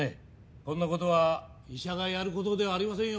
こんなことは医者がやることではありませんよ